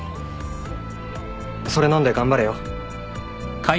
それ飲んで頑張れよ。